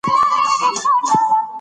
وارث به خپله مرغۍ پخه کړي.